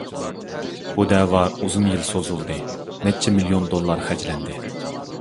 بۇ دەۋا ئۇزۇن يىل سوزۇلدى، نەچچە مىليون دوللار خەجلەندى.